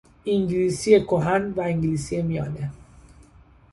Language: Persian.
انگلیسی کهن و انگلیسی میانه